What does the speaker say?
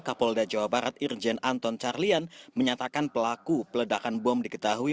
kapolda jawa barat irjen anton carlian menyatakan pelaku peledakan bom diketahui